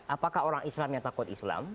apakah orang islam yang takut islam